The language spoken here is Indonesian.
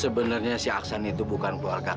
sebenernya si aksan itu bukan keluarga kaya